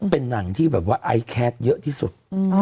เป็นหนังที่แบบว่าไอแคสเยอะที่สุด